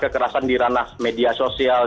kekerasan di ranah media sosial